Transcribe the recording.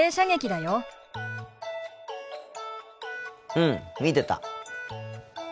うん見てた。